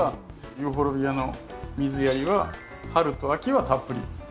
ユーフォルビアの水やりは春と秋はたっぷり。